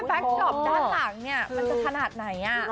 ถ้าแบล็คดอปข้างหลังจะขนาดไหน